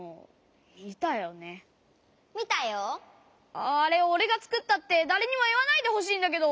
あれおれがつくったってだれにもいわないでほしいんだけど！